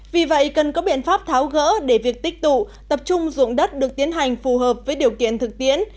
vì vậy cần có biện pháp tháo gỡ để việc tích tụ tập trung dụng đất được tiến hành phù hợp với điều kiện thực tiễn